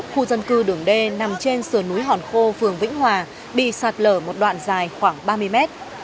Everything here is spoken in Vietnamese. khu dân cư đường d nằm trên sườn núi hòn khô phường vĩnh hòa bị sạt lở một đoạn dài khoảng ba mươi mét